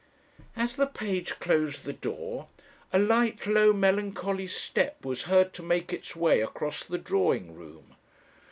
"As the page closed the door, a light, low, melancholy step was heard to make its way across the drawing room.